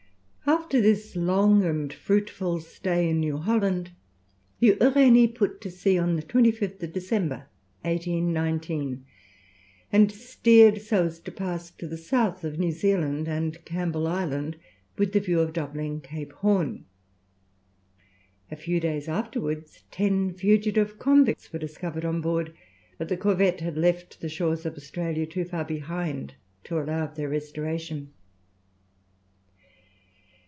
After this long and fruitful stay in New Holland, the Uranie put to sea on the 25th December, 1819, and steered so as to pass to the south of New Zealand and Campbell Island, with the view of doubling Cape Horn. A few days afterwards ten fugitive convicts were discovered on board; but the corvette had left the shores of Australia too far behind to allow of their restoration.